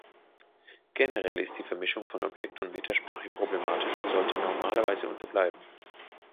Generell ist die Vermischung von Objekt- und Metasprache problematisch und sollte normalerweise unterbleiben.